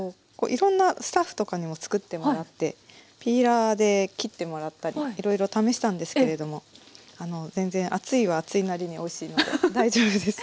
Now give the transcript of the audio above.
いろんなスタッフとかにも作ってもらってピーラーで切ってもらったりいろいろ試したんですけれども全然厚いは厚いなりにおいしいので大丈夫です。